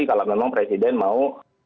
kalau memang presiden mau